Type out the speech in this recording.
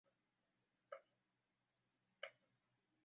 atazunguka mji wa palestina southi